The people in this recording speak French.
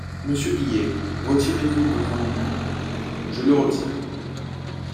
Monsieur Guillet, retirez-vous votre amendement ? Je le retire.